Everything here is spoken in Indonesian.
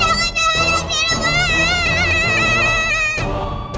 badang kuntilanak di rumah